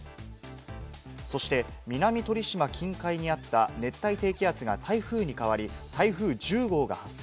そして南鳥島近海にあった熱帯低気圧が台風に変わり、台風１０号が発生。